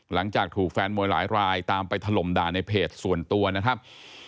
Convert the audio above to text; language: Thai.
หลังจากถูกแฟนมวยหลายรายตามไปถล่มด่าในเพจส่วนตัวนะครับ